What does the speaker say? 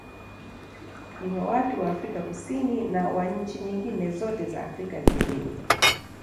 Ni wa watu wa Afrika Kusini na wa nchi nyingine zote za Afrika vilevile.